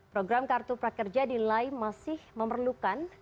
program kartu prakerja di lai masih memerlukan